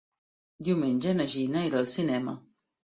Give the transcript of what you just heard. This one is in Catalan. Diumenge na Gina irà al cinema.